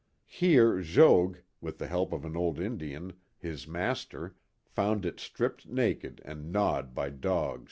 Here Jogues, with the help of an old Indian, his master, found it stripped naked and gnawed by dogs.